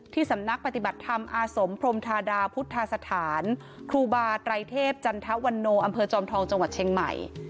สำนักปฏิบัติธรรมอาสมพรมธาดาพุทธสถานครูบาไตรเทพจันทวันโนอำเภอจอมทองจังหวัดเชียงใหม่